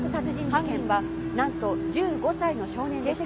犯人は何と１５歳の少年でした